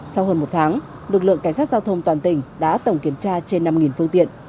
sau hơn một tháng lực lượng cảnh sát giao thông toàn tỉnh đã tổng kiểm tra trên năm phương tiện